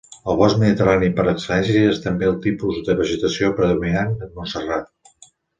El bosc mediterrani per excel·lència és també el tipus de vegetació predominant a Montserrat.